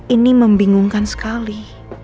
ini membingungkan sekali